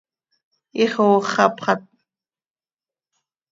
Ixooxapxat.